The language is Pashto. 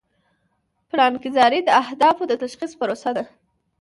پلانګذاري د اهدافو د تشخیص پروسه ده.